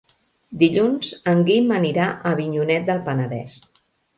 Dilluns en Guim anirà a Avinyonet del Penedès.